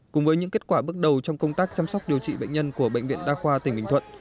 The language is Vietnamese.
cùng với những kết quả bước đầu trong công tác chăm sóc điều trị bệnh nhân của bệnh viện đa khoa tỉnh bình thuận